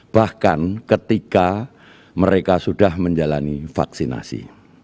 bahkan ketika mereka sudah menjalani vaksinasi